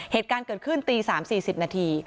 เหตุการณ์เกิดขึ้นตี๓๔๐นาที